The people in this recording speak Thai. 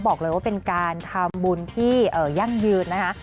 บอกเลยว่าเป็นการทำบุญที่ยั่งยืนนะคะ